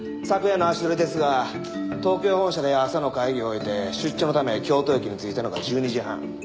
昨夜の足取りですが東京本社で朝の会議を終えて出張のため京都駅に着いたのが１２時半。